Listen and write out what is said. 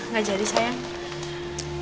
gak jadi sayang